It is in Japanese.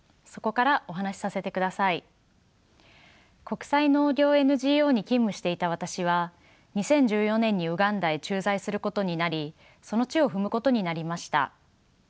国際農業ＮＧＯに勤務していた私は２０１４年にウガンダへ駐在することになりその地を踏むことになりました。